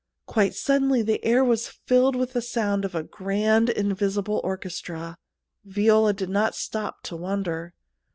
Quite suddenly the air was filled with the sound of a grand invisible orchestra. Viola did not stop to wonder.